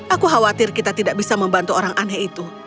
aku khawatir kita tidak bisa membantu orang aneh itu